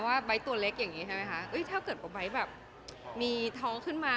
แบ๊ยตัวเล็กถ้าเกิดว่าแบ๊ยหมีท้องขึ้นมา